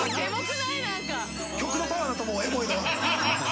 曲のパワーだと思うエモいのは。